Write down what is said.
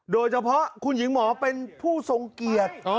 โดยเฉพาะคุณหญิงหมอเป็นผู้ทรงเกียรติ